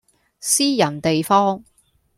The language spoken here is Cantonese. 私人地方